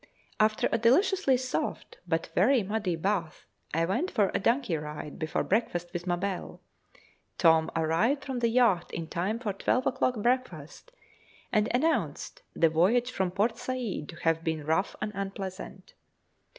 After a deliciously soft but very muddy bath, I went for a donkey ride before breakfast with Mabelle. Tom arrived from the yacht in time for twelve o'clock breakfast, and announced the voyage from Port Said to have been rough and unpleasant.